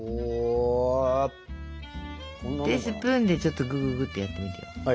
でスプーンでちょっとぐぐぐってやってみてよ。